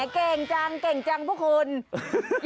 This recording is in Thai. ออกจากกลุ่มเราไปเลย